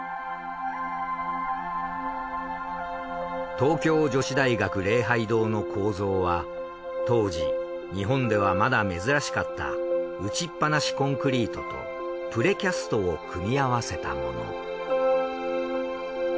東京女子大学「礼拝堂」の構造は当時日本ではまだ珍しかった打放しコンクリートとプレキャストを組み合わせたもの。